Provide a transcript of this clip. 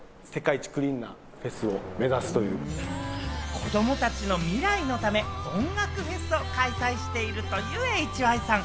子供たちの未来のため、音楽フェスを開催しているというＨＹさん。